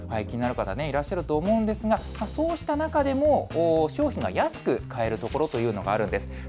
気になる方、いらっしゃると思うんですが、そうした中でも、商品が安く買えるという所があるんです。